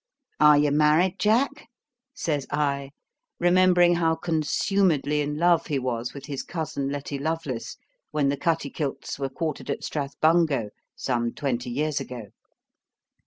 'Are you married, Jack?' says I, remembering how consumedly in love he was with his cousin Letty Lovelace, when the Cuttykilts were quartered at Strathbungo some twenty years ago.